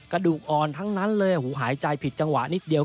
กระดูกอ่อนทั้งนั้นเลยหูหายใจผิดจังหวะนิดเดียว